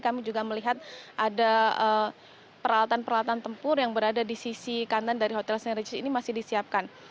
kami juga melihat ada peralatan peralatan tempur yang berada di sisi kanan dari hotel st regis ini masih disiapkan